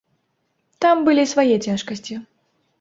Там былі свае цяжкасці.